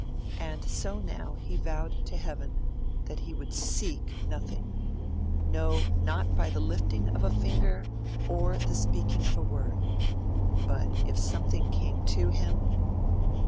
And so now he vowed to Heaven that he would SEEK nothing no, not by the lifting of a finger or the speaking of a word. But, if something came to him